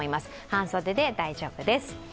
半袖で大丈夫です。